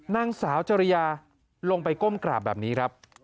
นางสาวจริยาลงไปก้มกราบแบบนี้ครับ